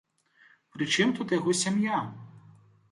Пры чым тут яго сям'я?